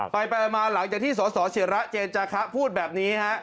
ไปมาหลังจากที่สสิระเจนจาคะพูดแบบนี้ฮะ